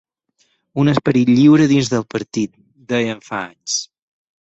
Un esperit lliure dins el partit, deien fa anys.